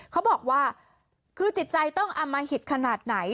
เขาบอกว่าคือจิตใจต้องอมหิตขนาดไหน